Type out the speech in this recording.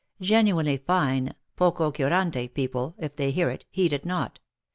Ge nuinely fine, poco curante people, if they hear it, heed it not.